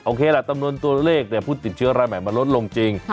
เคละจำนวนตัวเลขผู้ติดเชื้อรายใหม่มันลดลงจริง